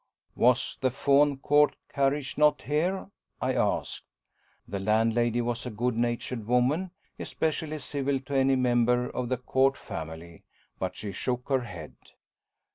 "Was the Fawne Court carriage not here?" I asked. The landlady was a good natured woman, especially civil to any member of the "Court" family. But she shook her head.